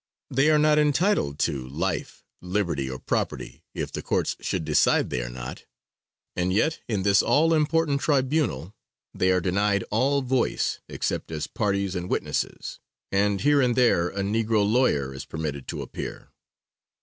They are not entitled to life, liberty or property if the courts should decide they are not, and yet in this all important tribunal they are denied all voice, except as parties and witnesses, and here and there a negro lawyer is permitted to appear.